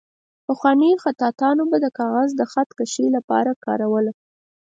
پخوانیو خطاطانو به د کاغذ د خط کشۍ لپاره کاروله.